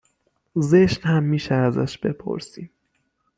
زشت هم میشه ازش بپرسیم